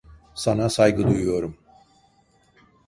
Sana saygı duyuyorum.